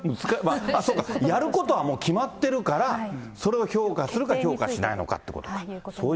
あっ、そっか、やることはもう決まってるから、それを評価するか、評価しないのかっていうことか。